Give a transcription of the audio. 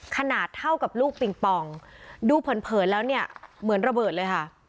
ขนาดเท่ากับลูกปิงปองดูเผินแล้วเนี่ยเหมือนระเบิดเลยค่ะ